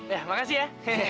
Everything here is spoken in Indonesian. ya makasih ya